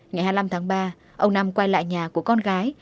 ngày hai mươi năm tháng ba ông nam quay lại nhà của con gái